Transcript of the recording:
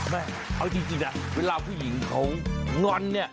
แม่เอาจริงเวลาผู้หญิงเขางอนเนี่ย